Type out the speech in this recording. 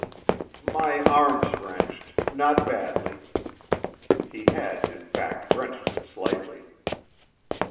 "My arm's wrenched not badly." He had in fact wrenched it slightly.